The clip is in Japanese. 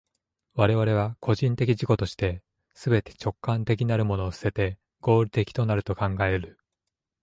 我々は個人的自己として、すべて直観的なるものを棄てて、合理的となると考える。